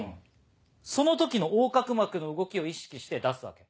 その時の横隔膜の動きを意識して出すわけ。